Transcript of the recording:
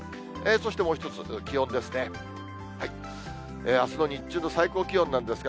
そしてもう一つ、気温ですね。